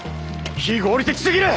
非合理的すぎる！